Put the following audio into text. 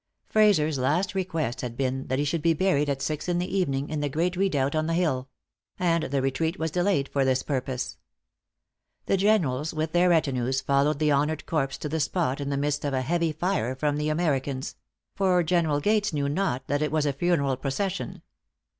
Frazer's last request had been that he should be buried at six in the evening, in the great redoubt on the hill; and the retreat was delayed for this purpose. The generals, with their retinues, followed the honored corpse to the spot, in the midst of a heavy fire from the Americans; for General Gates knew not that it was a funeral procession.